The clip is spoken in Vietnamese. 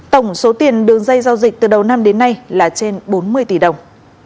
tổng số tiền đường dây giao dịch từ đầu năm đến nay là trên bốn mươi tỷ đồng